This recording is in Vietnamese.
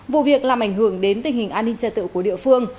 vụ việc làm ảnh hưởng đến tình hình an ninh trật tự của địa phương